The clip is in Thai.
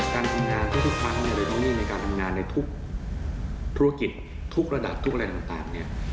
การทำงานทุกครั้งหรือต้องยิ่งการทำงานในทุกธุรกิจทุกระดับทุกอะไรต่าง